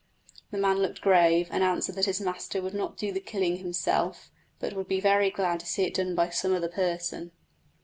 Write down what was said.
The man looked grave, and answered that his master would not do the killing himself, but would be very glad to see it done by some other person.